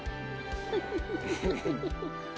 フフフフフ！